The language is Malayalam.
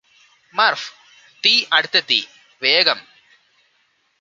മര്ഫ് തീ അടുത്തെത്തി വേഗം